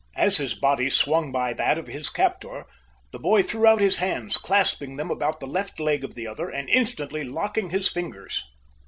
As his body swung by that of his captor, the boy threw out his hands, clasping them about the left leg of the other and instantly locking his fingers.